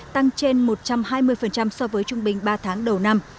tăng trên một trăm hai mươi so với trung bình ba tháng đầu năm